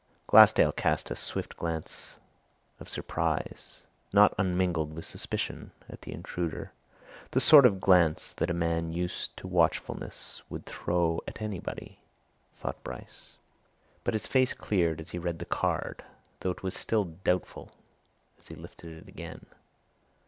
Glassdale cast a swift glance of surprise, not unmingled with suspicion, at the intruder the sort of glance that a man used to watchfulness would throw at anybody, thought Bryce. But his face cleared as he read the card, though it was still doubtful as he lifted it again.